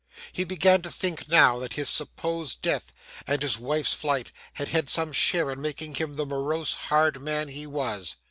He began to think now, that his supposed death and his wife's flight had had some share in making him the morose, hard man he was.